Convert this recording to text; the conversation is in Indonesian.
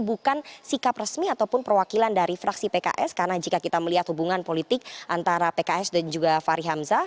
bukan sikap resmi ataupun perwakilan dari fraksi pks karena jika kita melihat hubungan politik antara pks dan juga fahri hamzah